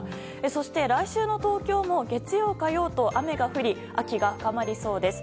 そして来週の東京も月曜、火曜と雨が降り秋が深まりそうです。